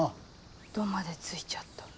「ど」まで付いちゃった。